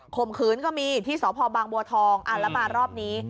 มขืนก็มีที่สพบางบัวทองแล้วมารอบนี้